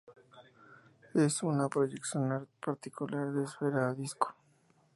Es una proyección particular de esfera a disco.